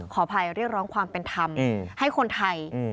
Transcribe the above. ขออภัยเรียกร้องความเป็นธรรมให้คนไทย